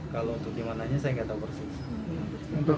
kalau untuk dimananya saya nggak tahu persis